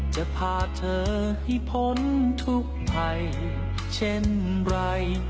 จะพาเธอให้พ้นทุกภัยเช่นไร